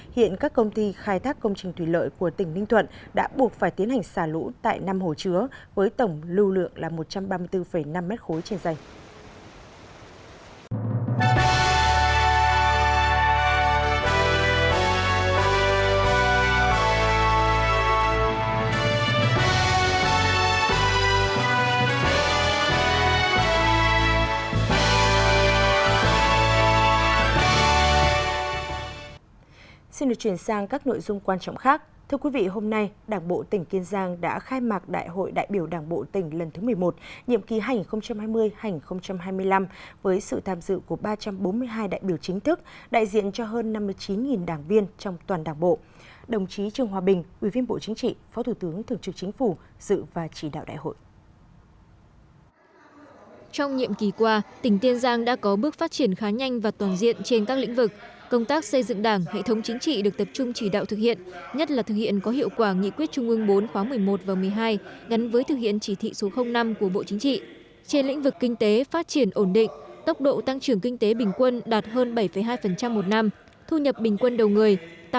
hiện các công ty khai thác công trình thủy lợi của tỉnh ninh thuận đã buộc phải tiến hành xả lũ tại năm hồ chứa với tổng lưu lượng là một trăm ba mươi bốn năm m ba trên dây